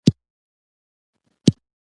ناڅاپه ځمکه زموږ لاندې وخوزیده.